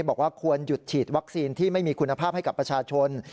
บอกว่าควรหยุดฉีดวัคซีนที่ไม่มีคุณภาพให้กับประชาชน